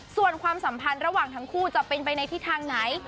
ส่วนความสัมพันธ์ระหว่างทั้งคู่จะเป็นไปในทิศทางไหน